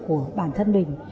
của bản thân mình